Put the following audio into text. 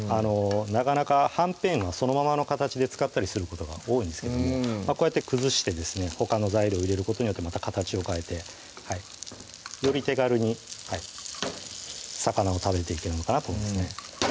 なかなかはんぺんはそのままの形で使ったりすることが多いんですがこうやって崩してですねほかの材料入れることによってまた形を変えてより手軽に魚を食べていけるのかなと思いますね